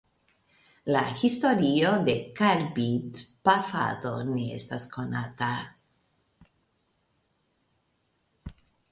La historio de karbidpafado ne estas konata.